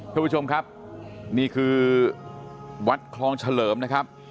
ท่านผู้ชมครับนี่คือวัดคลองเฉลิมนะครับ